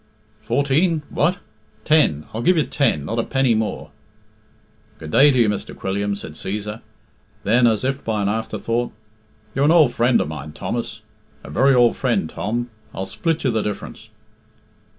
"Fourteen what! Ten; I'll give you ten not a penny more." "Good day to you, Mr. Quilliam," said Cæsar. Then, as if by an afterthought, "You're an ould friend of mine, Thomas; a very ould friend, Tom I'll split you the diff'rance."